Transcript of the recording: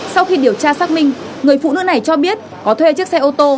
sau khi điều tra xác minh người phụ nữ này cho biết có thuê chiếc xe ô tô